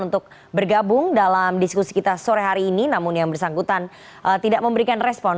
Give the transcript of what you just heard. untuk bergabung dalam diskusi kita sore hari ini namun yang bersangkutan tidak memberikan respon